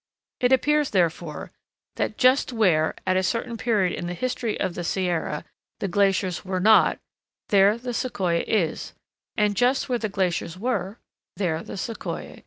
It appears, therefore, that just where, at a certain period in the history of the Sierra, the glaciers were not, there the Sequoia is, and just where the glaciers were, there the Sequoia is not.